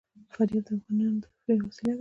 فاریاب د افغانانو د تفریح یوه وسیله ده.